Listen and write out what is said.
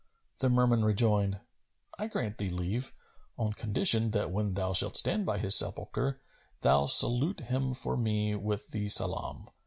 The Merman rejoined, "I grant thee leave, on condition that when thou shalt stand by his sepulchre thou salute him for me with the Salam.